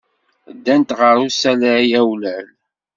Ddant ɣer usalay awlal.